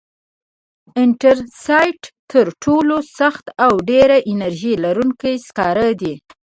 انترسایت تر ټولو سخت او ډېر انرژي لرونکی سکاره دي.